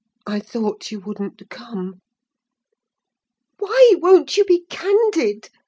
I thought you wouldn't come." "Why won't you be candid?"